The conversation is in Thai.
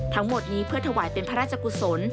ทั้งหมดนี้เพื่อถวายเป็นพระราชกุศล